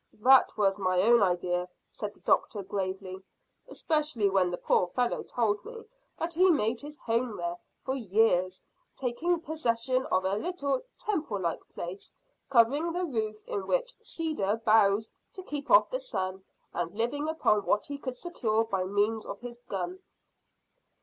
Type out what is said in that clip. "That was my own idea," said the doctor gravely, "especially when the poor fellow told me that he made his home there for years, taking possession of a little temple like place, covering the roof in with cedar boughs to keep off the sun, and living upon what he could secure by means of his gun."